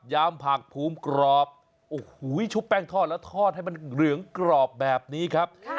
ผักภูมิกรอบโอ้โหชุบแป้งทอดแล้วทอดให้มันเหลืองกรอบแบบนี้ครับ